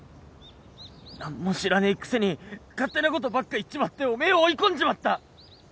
何も知らねえくせに勝手なことばっか言っちまっておめえを追い込んじまった！